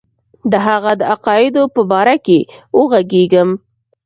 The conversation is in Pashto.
د هغه د عقایدو په باره کې وږغېږم.